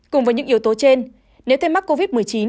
cùng với những yếu tố trên nếu thêm mắc covid một mươi chín